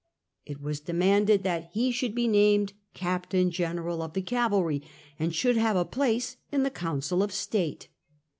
It was demanded that he should be named captain general of the cavalry, and should have a place in the Coyncil of State.